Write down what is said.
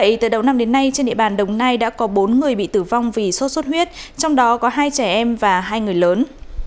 vì vậy từ đầu năm đến nay trên địa bàn đồng nai đã có bốn người bị tử vong vì suốt suốt huyết trong đó có hai trẻ em và hai người lớn